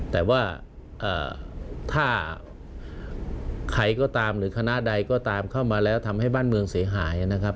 แต่ว่าถ้าใครก็ตามหรือคณะใดก็ตามเข้ามาแล้วทำให้บ้านเมืองเสียหายนะครับ